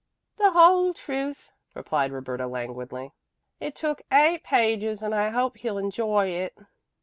"The whole truth," replied Roberta languidly. "It took eight pages and I hope he'll enjoy it."